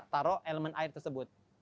taruh elemen air tersebut